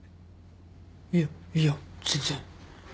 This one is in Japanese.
いやいや全然。